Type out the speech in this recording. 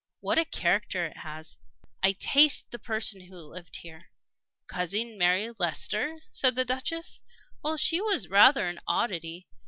What a character it has! I taste the person who lived here." "Cousin Mary Leicester?" said the Duchess. "Well, she was rather an oddity.